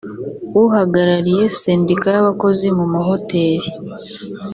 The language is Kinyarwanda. uhagarariye sendika y’abakozi bo mu mahoteli